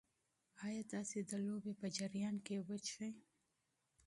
ایا تاسي د لوبې په جریان کې اوبه څښئ؟